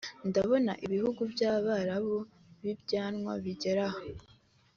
ndabona ibihugu by’abarabu b’ibyanwa bigera aha